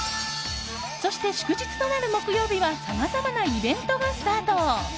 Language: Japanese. そして、祝日となる木曜日はさまざまなイベントがスタート。